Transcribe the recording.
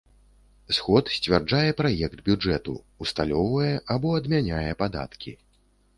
Сход сцвярджае праект бюджэту, усталёўвае або адмяняе падаткі.